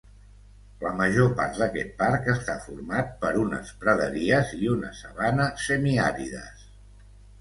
La major part d'aquest parc està format per unes praderies i una sabana semiàrides.